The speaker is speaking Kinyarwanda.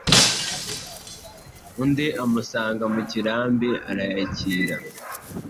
undi amusanga mu kirambi arayakira.